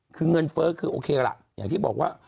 คือเงินเฟ้อคือโอเคล่ะอย่างที่บอกว่า